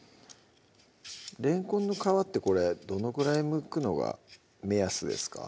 れんこんの皮ってこれどのぐらいむくのが目安ですか？